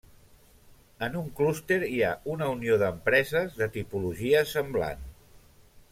En un clúster hi ha una unió d'empreses de tipologia semblant.